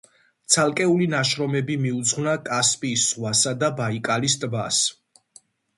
ცალკეული ნაშრომები მიუძღვნა კასპიის ზღვასა და ბაიკალის ტბას.